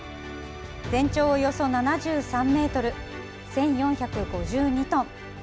全長およそ７３ｍ、１４５２トン。